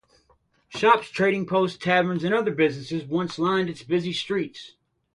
Shops, trading posts, taverns, and other businesses once lined its busy streets.